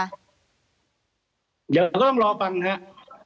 เดี๋ยวก็ต้องรอฟังครับ